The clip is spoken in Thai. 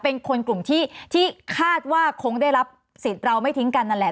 เป็นคนกลุ่มที่คาดว่าคงได้รับสิทธิ์เราไม่ทิ้งกันนั่นแหละ